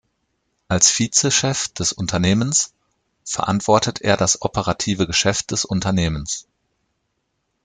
Als Vize-Chef des Unternehmens verantwortet er das operative Geschäfts des Unternehmens.